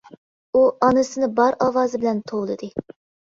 ئۇ ئانىسىنى بار ئاۋازى بىلەن توۋلىدى.